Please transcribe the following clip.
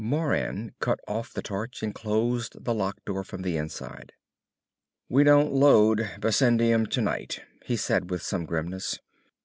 Moran cut off the torch and closed the lock door from the inside. "We don't load bessendium tonight," he said with some grimness.